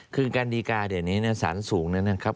คือการดีการเดี๋ยวนี้สารสูงนะครับ